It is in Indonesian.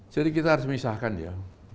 jadi kita harus misahkan ya